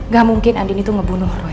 gak mungkin andini itu ngebunuh roy